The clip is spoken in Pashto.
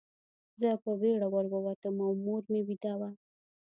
زه په بېړه ور ووتم او مور مې ویده وه